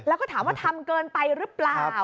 แล้วก็ถามว่าทำเกินไปหรือเปล่า